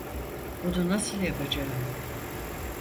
Bunu nasıl yapacağım?